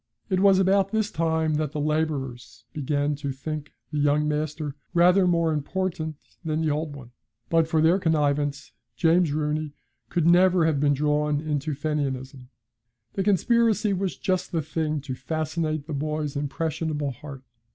It was about this time that the labourers began to think the young master rather more important than the old one; but for their connivance, James Rooney could never have been drawn into Fenianism. The conspiracy was just the thing to fascinate the boy's impressionable heart.